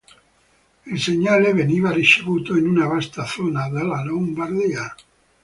Il segnale veniva ricevuto in una vasta zona della Lombardia.